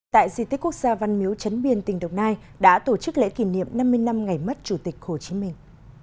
tại di tích quốc gia văn miếu trấn biên tỉnh đồng nai đã tổ chức lễ kỷ niệm năm mươi năm ngày mất chủ tịch hồ chí minh